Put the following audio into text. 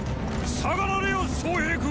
下がられよ昌平君！